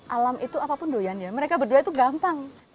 alam itu apapun doyan ya mereka berdua itu gampang